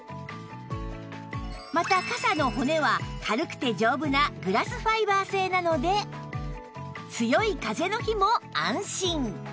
また傘の骨は軽くて丈夫なグラスファイバー製なので強い風の日も安心